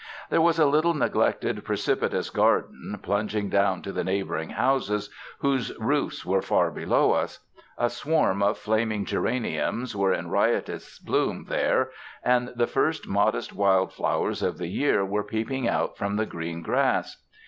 There was a little, neglected, precipitous garden, plunging down to the neighboring houses whose roofs were far below us ; a swarm of flaming gera niums were in riotous bloom there, and the first modest wild flowers of the year were peeping out from the green grass.